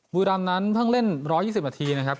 บุรีรำนั้นเพิ่งเล่น๑๒๐นาทีนะครับ